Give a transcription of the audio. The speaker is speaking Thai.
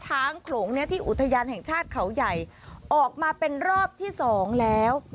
โขลงเนี่ยที่อุทยานแห่งชาติเขาใหญ่ออกมาเป็นรอบที่สองแล้ว